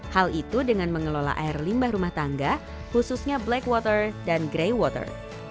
hal itu dengan mengelola air limbah rumah tangga khususnya black water dan gray water